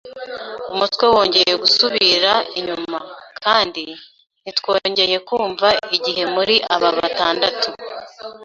Umutwe wongeye gusubira inyuma; kandi ntitwongeye kumva, igihe, muri aba batandatu